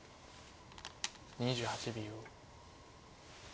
２８秒。